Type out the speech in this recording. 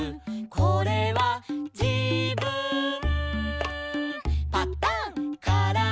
「これはじぶん」